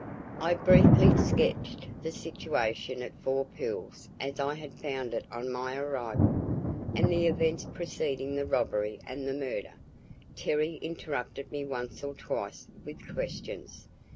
I briefly sketched the situation at Four Pools as I had found it on my arrival, and the events preceding the robbery and the murder. Terry interrupted me once or twice with questions.